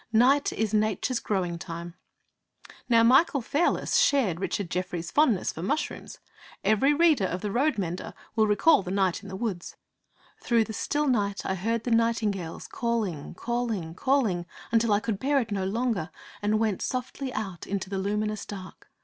Night is Nature's growing time. Now Michael Fairless shared Richard Jefferies' fondness for mushrooms. Every reader of The Roadmender will recall the night in the woods. 'Through the still night I heard the nightingales calling, calling, calling, until I could bear it no longer, and went softly out into the luminous dark.